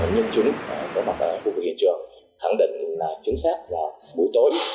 nhưng chúng có mặt ở khu vực hiện trường khẳng định là chính xác là buổi tối